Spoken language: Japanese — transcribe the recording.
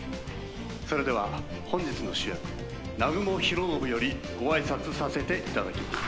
「それでは本日の主役南雲弘伸よりご挨拶させて頂きます」